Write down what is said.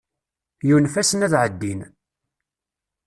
Yunef-asen ad ɛeddin.